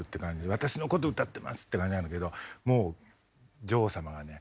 私のこと歌ってますって感じなんだけどもう女王様がね